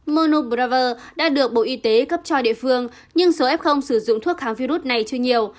monobraver đã được bộ y tế cấp cho địa phương nhưng số f sử dụng thuốc kháng virus này chưa nhiều